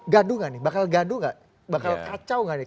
gaduh gak nih